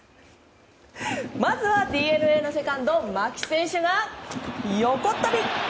まずはＤｅＮＡのセカンド牧選手が横っ飛び！